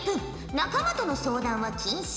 仲間との相談は禁止。